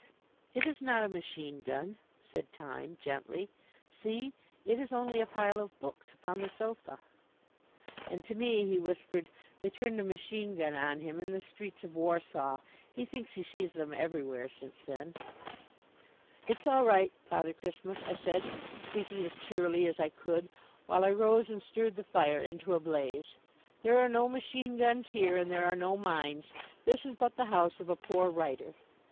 "It is not a machine gun," said Time gently. "See, it is only a pile of books upon the sofa." And to me he whispered, "They turned a machine gun on him in the streets of Warsaw. He thinks he sees them everywhere since then." "It's all right, Father Christmas," I said, speaking as cheerily as I could, while I rose and stirred the fire into a blaze. "There are no machine guns here and there are no mines. This is but the house of a poor writer."